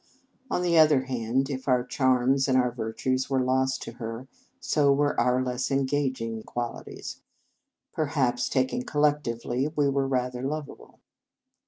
On the other hand, if our charms and our virtues were lost to her, so were our less engaging qualities. Perhaps, taken collectively, we were rather lovable.